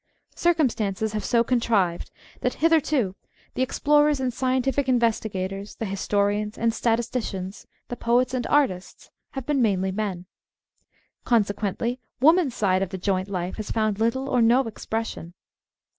Circumstances have so contrived that hitherto the explorers and scientific investigators, the historians and statisticians, the poets and artists have been mainly men. Consequently woman's side of the joint life has found little or no expression.